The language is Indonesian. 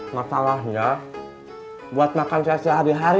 masalahnya buat makan sehari hari kang